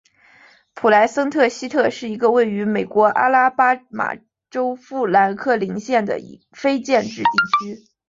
普莱森特西特是一个位于美国阿拉巴马州富兰克林县的非建制地区。